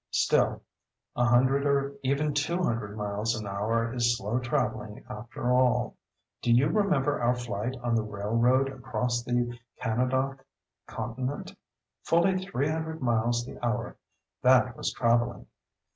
Still a hundred or even two hundred miles an hour is slow travelling after all. Do you remember our flight on the railroad across the Kanadaw continent?—fully three hundred miles the hour—that was travelling.